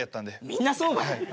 みんなそうばい。